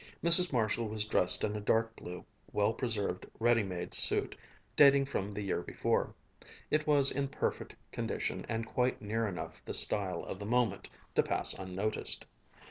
Mrs. Marshall was dressed in a dark blue, well preserved, ready made suit, dating from the year before. It was in perfect condition and quite near enough the style of the moment to pass unnoticed.